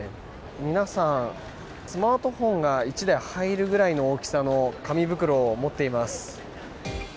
皆さん、スマートフォンが１台入るぐらいの大きさの紙袋を持っています。